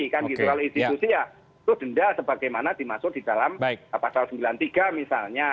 kalau institusi ya itu denda sebagaimana dimasuk di dalam pasal sembilan puluh tiga misalnya